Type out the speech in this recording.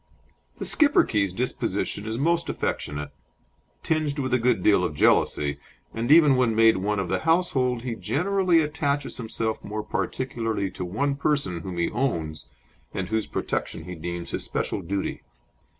The Schipperke's disposition is most affectionate, tinged with a good deal of jealousy, and even when made one of the household he generally attaches himself more particularly to one person, whom he "owns," and whose protection he deems his special duty.